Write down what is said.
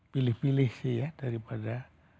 pilih pilih sih ya daripada